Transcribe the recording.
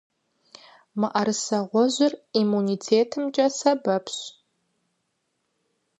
Мыӏэрысэ гъуэжьыр иммунитетымкӀэ сэбэпщ.